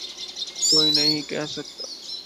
کوئی نہیں کہہ سکتا۔